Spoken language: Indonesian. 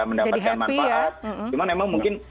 mendapatkan manfaat cuman memang mungkin